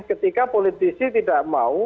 ketika politisi tidak mau